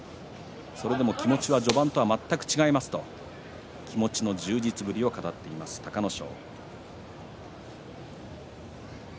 それでも気持ちは序盤と全く違いますと気持ちの充実ぶりを語っていた隆の勝。